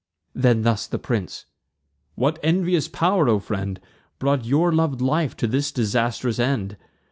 Then thus the prince: "What envious pow'r, O friend, Brought your lov'd life to this disastrous end?